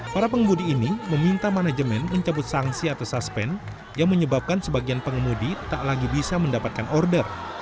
para pengemudi ini meminta manajemen mencabut sanksi atau suspend yang menyebabkan sebagian pengemudi tak lagi bisa mendapatkan order